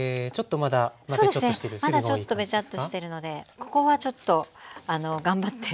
まだちょっとべちゃっとしてるのでここはちょっと頑張って潰して下さい。